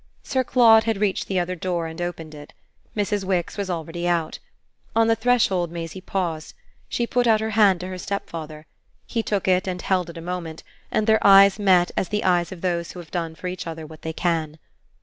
Sir Claude had reached the other door and opened it. Mrs. Wix was already out. On the threshold Maisie paused; she put out her hand to her stepfather. He took it and held it a moment, and their eyes met as the eyes of those who have done for each other what they can.